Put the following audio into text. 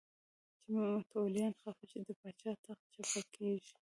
چې متولیان خفه شي د پاچا تخت چپه کېږي.